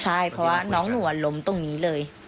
ใช่เพราะว่าน้องหนูล้มตรงนี้เลย